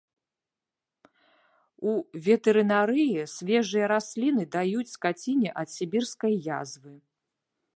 У ветэрынарыі свежыя расліны даюць скаціне ад сібірскай язвы.